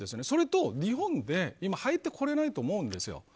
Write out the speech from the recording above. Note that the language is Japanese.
それと日本に今入ってこれないと思うんですよ。